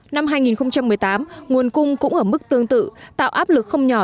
năm hai nghìn một mươi tám nguồn cung cũng ở mức tương tự tạo áp lực không nhỏ